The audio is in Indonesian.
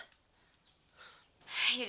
yaudah ya ter